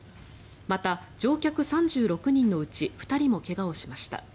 また乗客３６人のうち２人も怪我をしました。